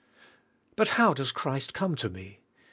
But how does Christ come to me?